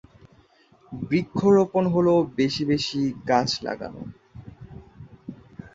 বৃক্ষরোপন হলো বেশি বেশি গাছ লাগানো।